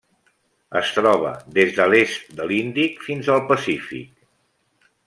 Es troba des de l'est de l'Índic fins al Pacífic.